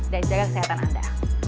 dan jaga kesehatan anda